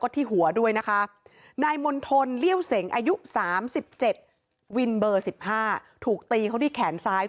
นี่นี่นี่นี่นี่นี่นี่นี่